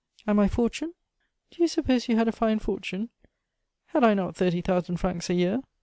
"And my fortune?" "Do you suppose you had a fine fortune?" "Had I not thirty thousand francs a year?"